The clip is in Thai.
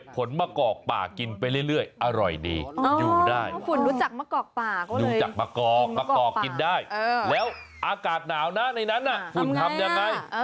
ฟุ้นก็บอกว่าเรียกว่าเก็บผลมะกอกป่ากินไปเรื่อย